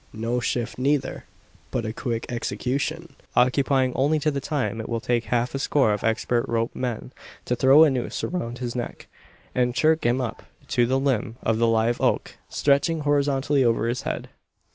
No shrift neither; but a quick execution, occupying only the time it will take half a score of expert rope men to throw a noose around his neck, and jerk him up to the limb of the live oak stretching horizontally over his head!